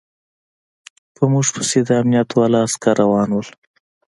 په موږ پسې د امنيت والاو عسکر روان و.